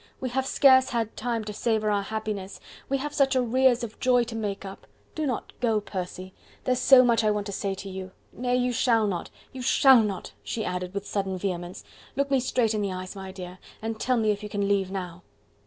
we have scarce had time to savour our happiness.. we have such arrears of joy to make up.... Do not go, Percy... there's so much I want to say to you.... Nay! you shall not! you shall not!" she added with sudden vehemence. "Look me straight in the eyes, my dear, and tell me if you can leave now?"